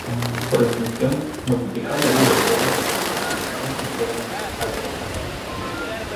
Por definición, multiplicando v por un escalar k su norma queda multiplicada por |k|.